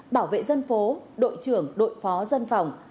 bảo vệ dân phố đội trưởng đội phó dân phòng